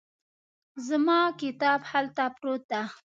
زما کتاب هلته پروت ده